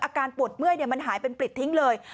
อาการปวดเมื่อยมันหายเป็นปริดทิ้งเลย